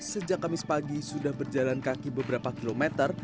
sejak kamis pagi sudah berjalan kaki beberapa kilometer